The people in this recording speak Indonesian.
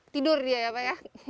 tidur dia ya pak ya